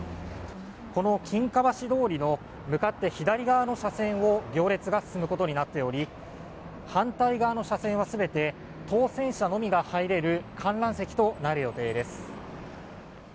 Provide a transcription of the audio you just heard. この金華橋通りの向かって左側の車線を行列が進むことになっており反対側の車線は全て当選者のみが入れる観覧席となる予定です。